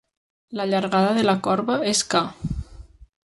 La llargada de la corba és ca.